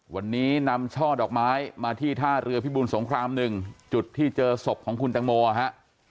วันนี้นำช่อดอกไม้มาที่ท่าเรือพิบูลสงคราม๑จุดที่เจอศพของคุณตังโมฮะ